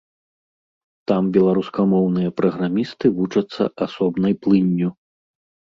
Там беларускамоўныя праграмісты вучацца асобнай плынню.